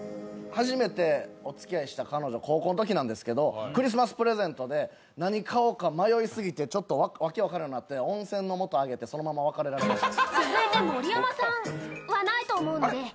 初めておつきあいした彼女高校生のときなんですけどクリスマスプレゼントで何買おうか迷い過ぎて訳わからんくなって、温泉の素をあげてそのまま別れられました。